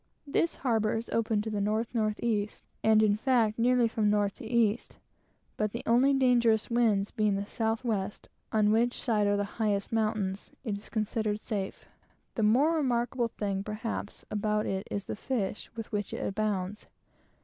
This harbor is open to the N.N.E., and in fact nearly from N. to E., but the only dangerous winds being the south west, on which side are the highest mountains, it is considered very safe. The most remarkable thing perhaps about it is the fish with which it abounds.